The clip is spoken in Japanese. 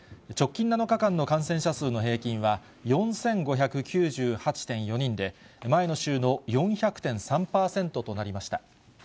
直近７日間の感染者数の平均は、４５９８．４人で、前の週の４００．３％となりました。